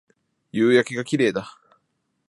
夕焼けが綺麗だ